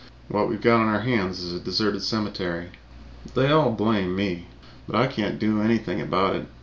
What we've got on our hands is a deserted cemetery. They all blame me, but I can't do anything about it.